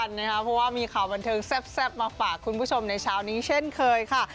เพราะว่ามีข่าวบันเทิงแซ่บมาฝากคุณผู้ชมในเช้านี้เช่นเคยค่ะ